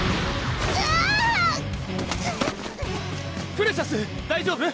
プレシャス大丈夫？